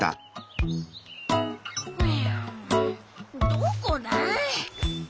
どこだあ。